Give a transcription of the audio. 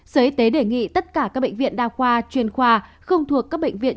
sở y tế đề nghị tất cả các bệnh viện đa khoa chuyên khoa không thuộc các bệnh viện